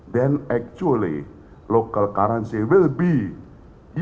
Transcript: maka kewangan lokal akan digunakan